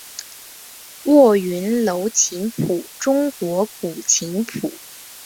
卧云楼琴谱中国古琴谱。